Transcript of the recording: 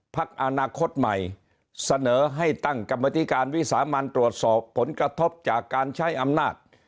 ปรากบอนาคตให้ตั้งความมี๓มันตรวจสอกผลกระทบจากการใช้อำนาจ